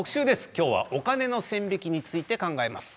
きょうはお金の線引きについて考えます。